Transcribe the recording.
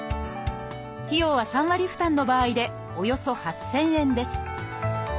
費用は３割負担の場合でおよそ８，０００円です